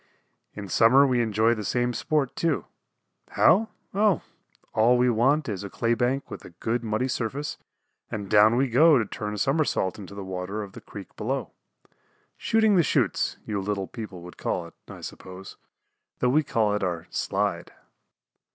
In summer we enjoy the same sport, too. How? Oh, all we want is a clay bank with a good muddy surface, and down we go to turn a somersault into the water of the creek below. "Shooting the chutes" you little people would call it, I suppose, though we call it our "slide."